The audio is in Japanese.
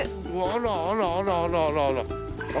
あらあらあらあらあらあら。